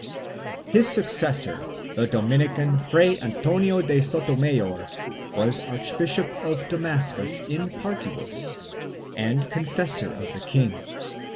2 His successor, the Dominican Fray Antonio de Sotomayor, was Archbishop of Damascus in partibus and confessor of the king.